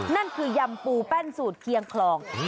นั่นคือยำปูแป้นสูตรเคียงคลอง